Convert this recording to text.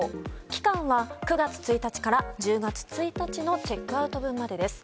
期間は９月１日から１０月１日のチェックアウト分までです。